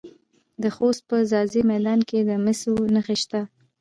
د خوست په ځاځي میدان کې د مسو نښې شته.